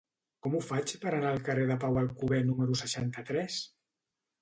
Com ho faig per anar al carrer de Pau Alcover número seixanta-tres?